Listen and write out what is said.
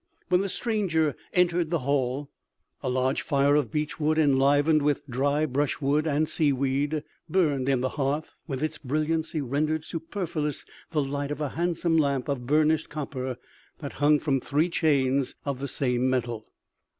When the stranger entered the hall, a large fire of beech wood, enlivened with dry brush wood and seaweed burned in the hearth, and with its brilliancy rendered superfluous the light of a handsome lamp of burnished copper that hung from three chains of the same metal.